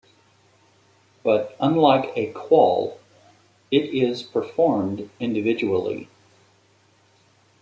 But unlike a qual, it is performed individually.